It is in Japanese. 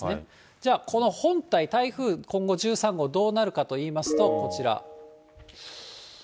じゃあ、この本体、台風、今後、１３号、どうなるかといいますと、こちら。